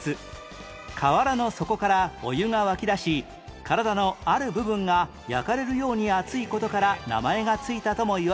河原の底からお湯が湧き出し体のある部分が焼かれるように熱い事から名前が付いたともいわれる